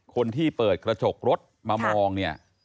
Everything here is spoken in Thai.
คนที่เปิดกระจกรถมามองเนี่ย